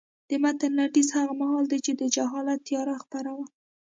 د متن لنډیز هغه مهال دی چې د جهالت تیاره خپره وه.